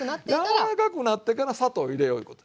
柔らかくなってから砂糖入れよういうこと。